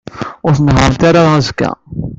Ur tnehhṛemt ara azekka.